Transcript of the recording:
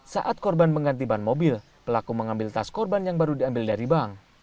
saat korban mengganti ban mobil pelaku mengambil tas korban yang baru diambil dari bank